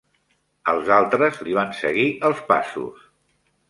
Els altres li van seguir els passos.